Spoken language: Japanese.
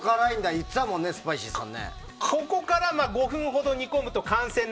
言ってたもんね、スパイシーさん。